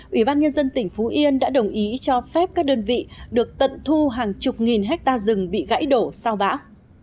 ủy ban nhân dân tỉnh phú yên đã đồng ý cho phép các đơn vị được tận thu hàng chục nghìn hectare rừng bị gãy đổ sau bão